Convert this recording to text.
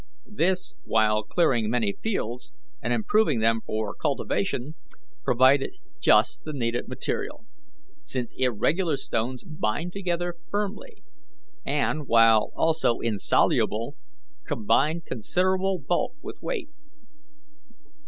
This, while clearing many fields and improving them for cultivation, provided just the needed material; since irregular stones bind together firmly, and, while also insoluble, combine considerable bulk with weight.